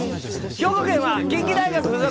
兵庫県は近畿大学附属